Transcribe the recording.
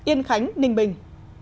yên khánh đình bình